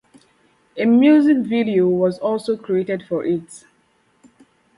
A music video was also created for it.